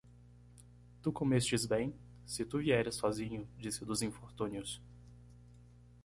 Tu comestes 'bem? se tu vieres sozinho disse dos infortúnios